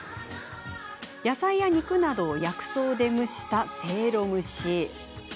野菜や肉などを薬草で蒸したせいろ蒸し。